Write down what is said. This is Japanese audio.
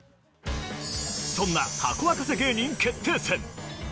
そんなハコ沸かせ芸人決定戦。